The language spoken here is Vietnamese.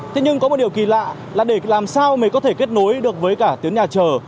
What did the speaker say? thế nhưng có một điều kỳ lạ là để làm sao mình có thể kết nối được với cả tuyến nhà chờ